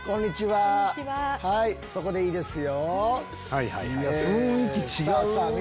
はいそこでいいですよ。